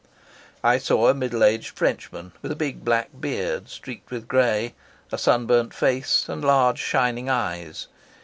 I saw a middle aged Frenchman with a big black beard, streaked with gray, a sunburned face, and large, shining eyes.